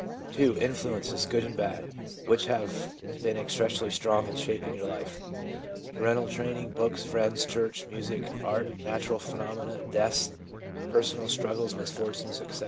■II. Influences, good and bad, which have been especially strong in shaping your life — parental training, books, friends, church, music, art, natural phenomena, deaths, personal struggles, misfortunes, etc.